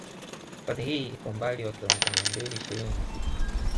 Hifadhi hii iko umbali wa kilometa mia mbili ishirini na sita